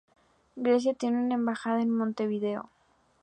Grecia tiene una embajada en Montevideo.